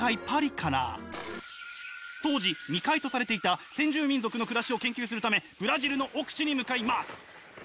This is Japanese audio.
パリから当時未開とされていた先住民族の暮らしを研究をするためブラジルの奥地に向かいます。